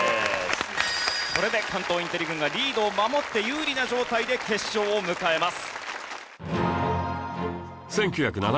これで関東インテリ軍がリードを守って有利な状態で決勝を迎えます。